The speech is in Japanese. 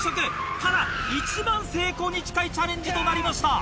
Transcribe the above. ただ一番成功に近いチャレンジとなりました。